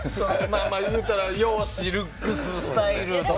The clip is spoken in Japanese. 言うたらルックスとかスタイルとか。